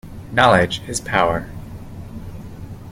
Knowledge is power.